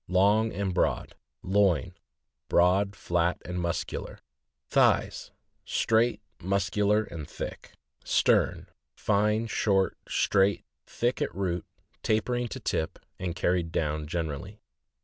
— Long and broad. Loin. — Broad, flat, and muscular. Thighs. — Straight, muscular, and thick. Stern. — Fine, short, straight, thick at root, tapering to tip, and carried down generally.